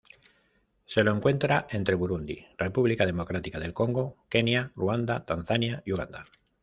Se lo encuentra entre Burundi, República Democrática del Congo, Kenya, Rwanda, Tanzania, y Uganda.